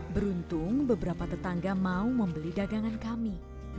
beruntung beberapa tetangga mau membeli dagangan kami